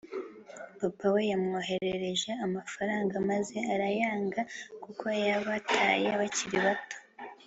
papa we yamwoherereje amafaranga maze arayanga kuko yabataye bakiri bato